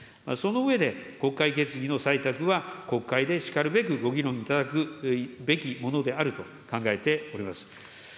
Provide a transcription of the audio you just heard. その上で、国会決議の採択は国会でしかるべくご議論いただくべきであると考えております。